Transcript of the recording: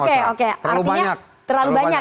artinya terlalu banyak ya